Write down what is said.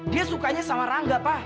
dia sukanya sama rangga pak